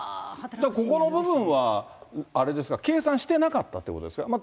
ここの部分はあれですか、計算してなかったということですか。